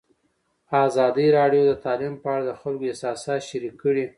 ازادي راډیو د تعلیم په اړه د خلکو احساسات شریک کړي.